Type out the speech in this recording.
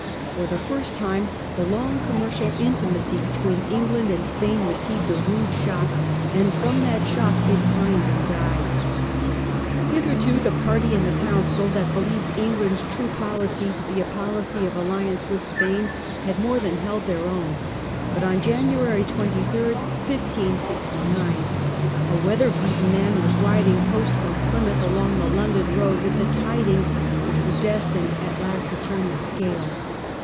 For the first time the long commercial intimacy between England and Spain received a rude shock, and from that shock it pined and died. Hitherto the party in the Council that believed England's true policy to be a policy of alliance with Spain had more than held their own ; but on January 23rd, 1569, a weather beaten man was riding post from Plymouth along the London road with the tidings which were destined at last to turn the scale.